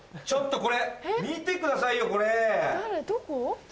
ちょっとこれ見てくださいよこれ！